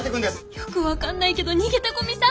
よく分かんないけど逃げて古見さん！